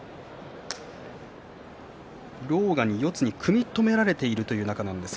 狼雅に四つに組み止められているということです。